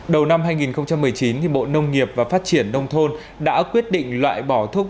đầu năm hai nghìn một mươi chín bộ nông nghiệp và phát triển nông thôn đã quyết định loại bỏ thuốc